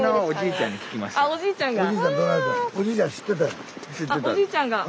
おじいちゃん